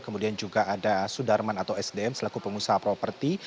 kemudian juga ada sudarman atau sdm selaku pengusaha properti